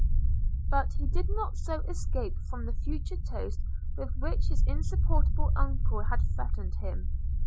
But he did not so escape from the future toast with which his insupportable uncle had threatened him.